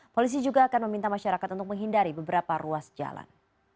polisi juga akan meminta masyarakat untuk menghindari beberapa ruas jalan